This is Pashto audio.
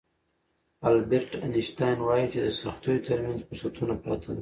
البرټ انشټاين وايي چې د سختیو ترمنځ فرصتونه پراته دي.